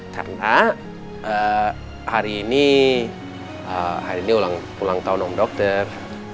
karena hari ini ulang tahun om dokter